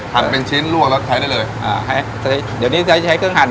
หันเป็นชิ้นลวกแล้วใช้ได้เลยเดี๋ยวนี้ใช้เครื่องหัน